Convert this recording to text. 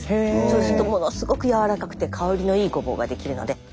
そうするとものすごく柔らかくて香りのいいごぼうができるので。